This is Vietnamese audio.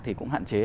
thì cũng hạn chế